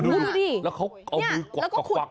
เนี่ยแล้วเขากกว๊ัก